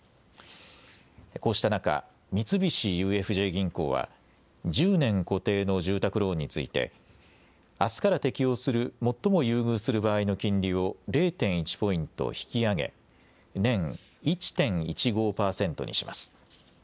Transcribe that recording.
こうした中、三菱ＵＦＪ銀行は１０年固定の住宅ローンについてあすから適用する最も優遇する場合の金利を０．１ポイント引き上げ年１．１５％にします。